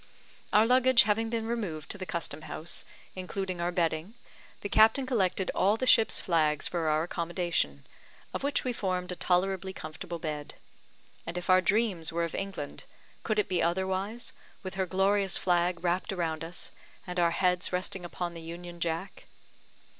Our luggage having been removed to the Custom house, including our bedding, the captain collected all the ship's flags for our accommodation, of which we formed a tolerably comfortable bed; and if our dreams were of England, could it be otherwise, with her glorious flag wrapped around us, and our heads resting upon the Union Jack?